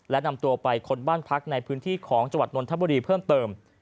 และนำตัวไปค้นบ้านพักในพื้นที่ของจังหวัดนนทบุรีเพิ่มเติม